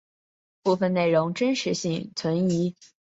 部分内容真实性存疑。